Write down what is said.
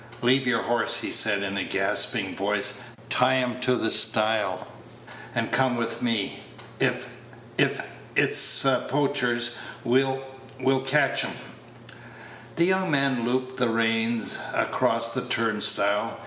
"Leave your horse," he said, in a gasping voice; "tie him to the stile, and come with me. If if it's poachers, we'll we'll catch 'em." The young man looped the reins across the turnstile.